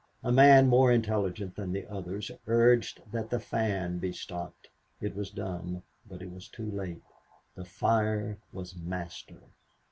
A man more intelligent than the others urged that the fan be stopped. It was done, but it was too late. The fire was master.